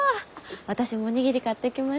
私もお握り買ってきました。